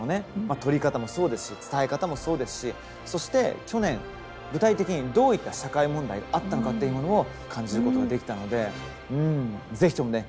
撮り方もそうですし伝え方もそうですしそして去年具体的にどういった社会問題があったのかというものを感じることができたのでぜひともね